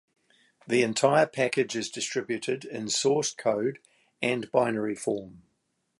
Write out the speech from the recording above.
The entire package is distributed in source code and binary form.